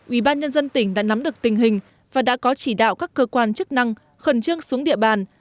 ubnd tỉnh đã nắm được tình hình và đã có chỉ đạo các cơ quan chức năng khẩn trương xuống địa bàn